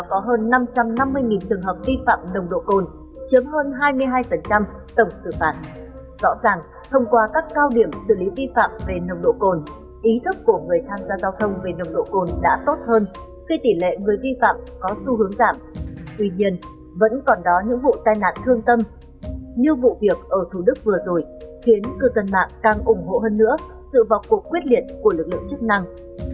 khi tỷ lệ người vi phạm có xu hướng giảm tuy nhiên vẫn còn đó những vụ tai nạn thương tâm như vụ việc ở thủ đức vừa rồi khiến cư dân mạng càng ủng hộ hơn nữa sự vọc cuộc quyết liệt của lực lượng chức năng